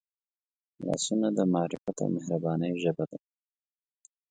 لاسونه د معرفت او مهربانۍ ژبه ده